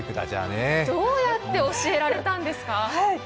どうやって教えられたんですか？